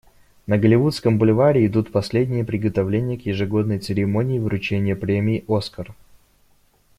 На Голливудском бульваре идут последние приготовления к ежегодной церемонии вручения премии «Оскар».